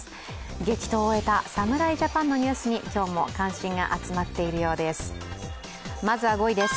激闘を終えた侍ジャパンのニュースに、今日も関心が集まっているようです。